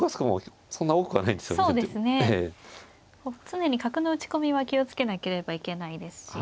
常に角の打ち込みは気を付けなければいけないですし。